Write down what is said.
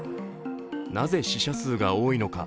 なぜ死者数が多いのか。